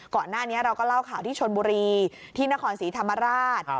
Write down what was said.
ก่อนหน้านี้เราก็เล่าข่าวที่ชนบุรีที่นครศรีธรรมราช